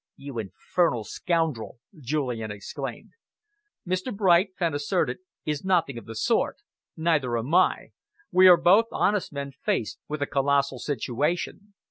"You infernal scoundrel!" Julian exclaimed. "Mr. Bright," Fenn asserted, "is nothing of the sort. Neither am I. We are both honest men faced with a colossal situation.